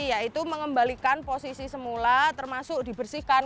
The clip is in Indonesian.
yaitu mengembalikan posisi semula termasuk dibersihkan